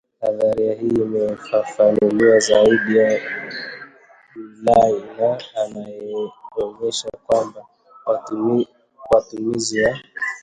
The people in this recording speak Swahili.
Nadharia hii imefafanuliwa zaidi na Dulay na anaonyesha kwamba watumizi wa